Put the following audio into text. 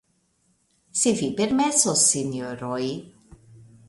Se vi permesos, sinjoroj!